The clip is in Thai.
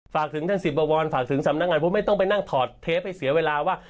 ฝากถึงท่านสิบบวรฝากถึงสำนักงานผมไม่ต้องไปนั่งถอดเทปให้เสียเวลาว่า